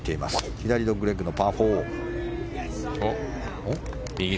左ドッグレッグのパー４。